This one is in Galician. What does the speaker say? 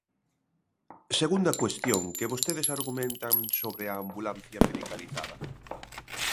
Segunda cuestión que vostedes argumentan sobre a ambulancia medicalizada.